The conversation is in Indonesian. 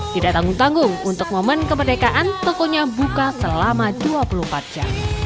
tidak tanggung tanggung untuk momen kemerdekaan tokonya buka selama dua puluh empat jam